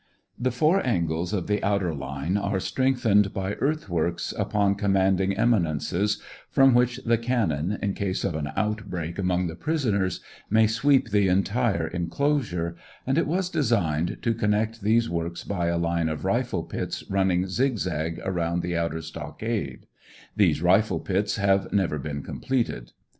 The four angles of the outer line are strengthened by earthworks upon commanding eminences, from which the cannon, in case of an outbreak among the prisoners, may sweep the entire enclosure ; and it was designed to connect these works by a line of rifle pits running zig zag around the outer stockade ; those rifle pits have never been completed.